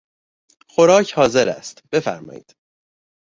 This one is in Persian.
خوراک حاضر است، بفرمایید!